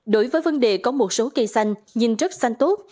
đối với vấn đề có một số cây xanh nhìn rất xanh tốt